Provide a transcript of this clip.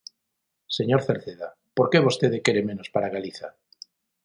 Señor Cerceda, ¿por que vostede quere menos para Galiza?